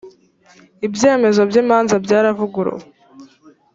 ibyemezo byimanza byaravuguruwe.